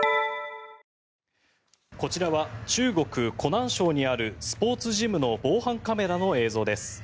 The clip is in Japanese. こちらは中国・湖南省にあるスポーツジムの防犯カメラの映像です。